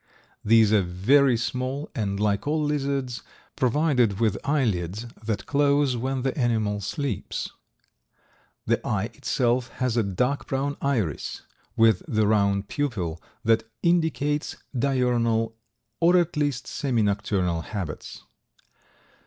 These are very small and, like all lizards, provided with eye lids that close when the animal sleeps. The eye itself has a dark brown iris, with the round pupil that indicates diurnal or at least semi nocturnal habits.